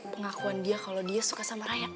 pengakuan dia kalau dia suka sama rakyat